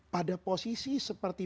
pada posisi seperti